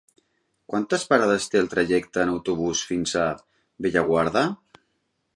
Quantes parades té el trajecte en autobús fins a Bellaguarda?